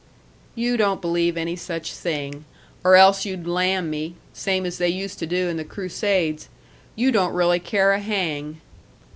"You don't believe any such thing. Or else you'd lam me same as they used to do in the crusades. You don't really care a hang."